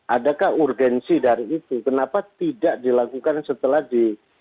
adakah urgensi dari itu kenapa tidak dilakukan setelah di